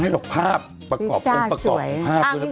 ไม่หรอกภาพประกอบตรงภาพด้วยละก่อน